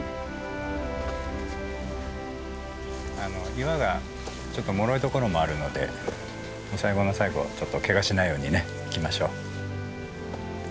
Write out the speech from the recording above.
岩がちょっともろいところもあるので最後の最後ちょっとけがしないように行きましょう。